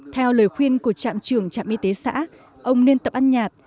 theo lời khuyên của trạm trưởng trạm y tế xã ông nên tập ăn nhạt